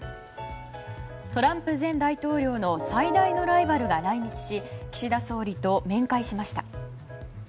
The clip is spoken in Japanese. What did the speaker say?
トランプ前大統領の最大のライバルが来日し岸田総理と面会しました。